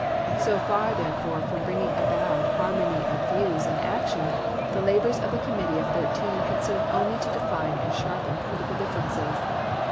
So far, therefore, from bringing about harmony of views and action, the labors of the Committee of Thirteen had served only to define and sharpen political differences.